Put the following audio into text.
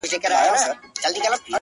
ته دې هره ورځ و هيلو ته رسېږې؛